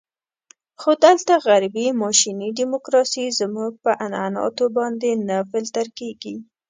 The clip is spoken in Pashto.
خو دلته غربي ماشیني ډیموکراسي زموږ په عنعناتو باندې نه فلتر کېږي.